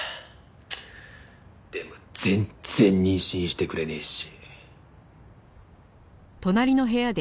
でも全然妊娠してくれねえし。